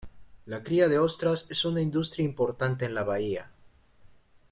La cría de ostras es una industria importante en la bahía.